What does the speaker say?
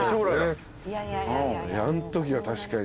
あんときは確かに。